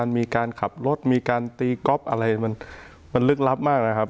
มีการขับรถมีการตีก๊อฟอะไรมันลึกลับมากนะครับ